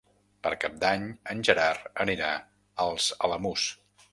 Per Cap d'Any en Gerard anirà als Alamús.